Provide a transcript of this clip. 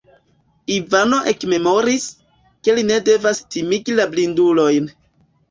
Ivano ekmemoris, ke li ne devas timigi la blindulojn.